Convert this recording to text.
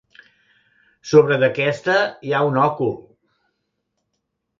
Sobre d'aquesta hi ha un òcul.